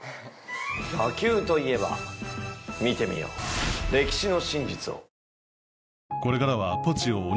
野球といえば見てみよう歴史の真実を。